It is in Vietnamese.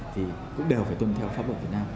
thì cũng đều phải tuân theo pháp luật việt nam